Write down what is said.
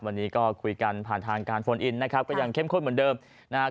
วันนี้ก็คุยกันผ่านทางการโฟนอินนะครับก็ยังเข้มข้นเหมือนเดิมนะครับ